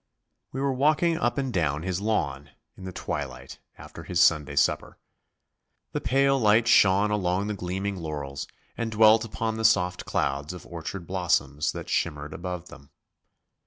We were walking up and down his lawn, in the twilight, after his Sunday supper. The pale light shone along the gleaming laurels and dwelt upon the soft clouds of orchard blossoms that shimmered above them.